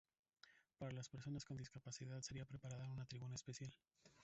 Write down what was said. Para las personas con discapacidad será preparada una tribuna especial.